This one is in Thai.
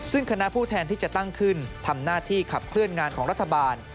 ซึ่งคณะผู้แทนที่จะตั้งขึ้นทำหน้าที่ขับเคลื่อนงานของรัฐบาล